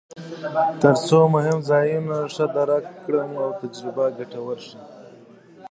ترڅو مهم ځایونه ښه درک کړم او تجربه ګټوره شي.